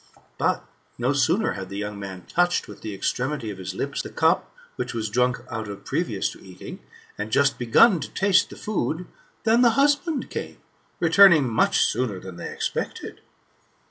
But no sooner had the young man touched with the extremity of his lips the cup which was drank out of previous to eating, and just begun to taste the food, than the husband came, returning much sooner than they expected.